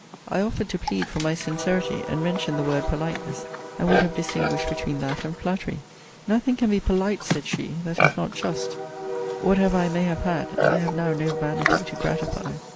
I offered to plead for my sincerity; and mentioned the word politeness; and would have distinguished between that and flattery. Nothing can be polite, said she, that is not just: whatever I may have had; I have now no vanity to gratify.